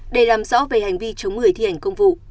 để làm rõ về hành vi chống người thi hành công vụ